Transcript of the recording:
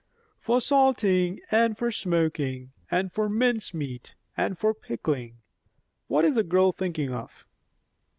"For salting, and for smoking, and for mince meat, and for pickling. What is the girl thinking of?"